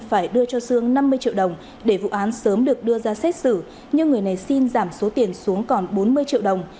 phải đưa cho sương năm mươi triệu đồng để vụ án sớm được đưa ra xét xử nhưng người này xin giảm số tiền xuống còn bốn mươi triệu đồng